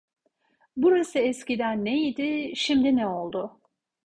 Burası eskiden ne idi, şimdi ne oldu!